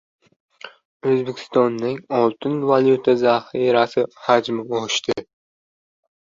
O‘zbekistonning oltin-valyuta zaxirasi hajmi oshdi